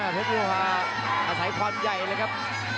เพชรโวฮาอาศัยความใหญ่เลยครับ